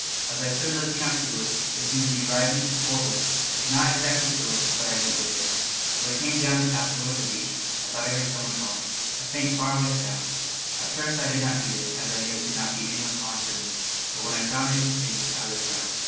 As I stood looking out seaward there seemed to be rising a cold wind; I could not exactly feel it, but I knew it was there. As I came down the path over the beach I thought I heard some one calling a faint far away sound. At first I did not heed it, as I knew it could not be any one calling to me; but when I found it continued, I looked round.